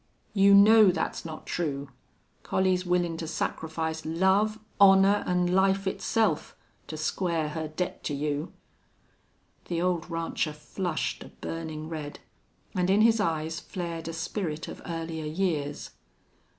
"You know that's not true. Collie's willin' to sacrifice love, honor, an' life itself, to square her debt to you." The old rancher flushed a burning red, and in his eyes flared a spirit of earlier years.